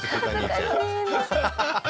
ハハハハ！